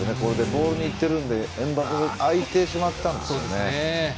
ボールに行っているのでエムバペが空いてしまったんですね。